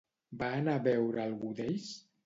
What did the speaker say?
Va anar a veure a algú d'ells?